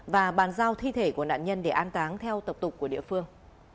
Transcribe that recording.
và bàn giao thi thể của nạn nhân để an táng theo tập tục của địa phương